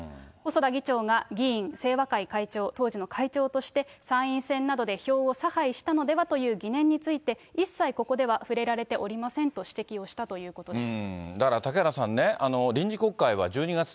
細田議長が、議員、清和会会長、当時の会長として、参院選などで票を差配したのではという疑念について、一切して触れられておりませんと指摘をしたということです。